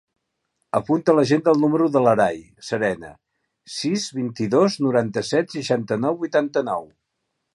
Apunta a l'agenda el número de l'Aray Serena: sis, vint-i-dos, noranta-set, seixanta-nou, vuitanta-nou.